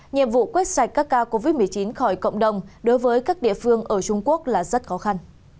nhiệm vụ quét sạch các ca covid một mươi chín khỏi cộng đồng đối với các địa phương ở trung quốc là rất khó khăn